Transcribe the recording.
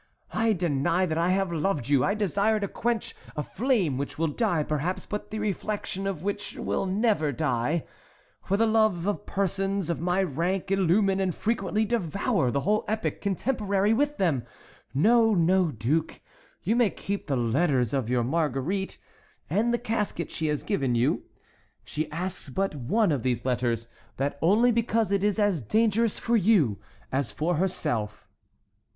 I deny that I have loved you! I desire to quench a flame which will die, perhaps, but the reflection of which will never die! For the loves of persons of my rank illumine and frequently devour the whole epoch contemporary with them. No, no, duke; you may keep the letters of your Marguerite, and the casket she has given you. She asks but one of these letters, and that only because it is as dangerous for you as for herself."